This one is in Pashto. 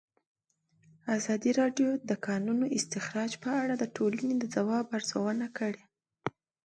ازادي راډیو د د کانونو استخراج په اړه د ټولنې د ځواب ارزونه کړې.